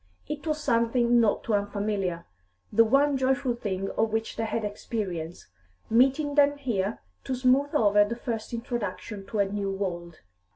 It was something not too unfamiliar; the one joyful thing of which they had experience meeting them here to smooth over the first introduction to a new world.